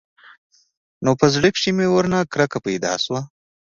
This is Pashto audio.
نو په زړه کښې مې ورنه کرکه پيدا سوه.